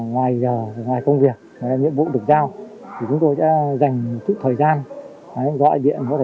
ngoài giờ ngoài công việc nhiệm vụ được giao thì chúng tôi đã dành chút thời gian gọi điện